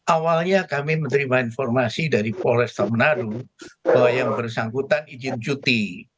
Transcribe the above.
awalnya kami menerima informasi dari polresta menaru bahwa yang bersangkutan izin cuti